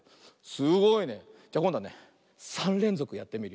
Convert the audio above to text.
すごいね。じゃこんどはね３れんぞくやってみるよ。